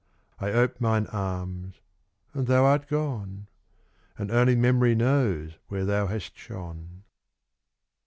I ope mine arms, and thou art gone, And only Memory knows where thou hast shone.